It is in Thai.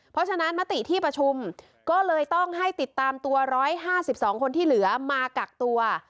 เพราะฉะนั้นมติที่ประชุมก็เลยต้องให้ติดตามตัว๑๕๒คนที่เหลือมากักตัว